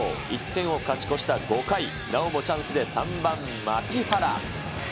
１点を勝ち越した５回、なおもチャンスで３番牧原。